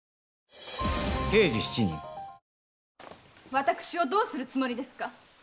私をどうする気ですか？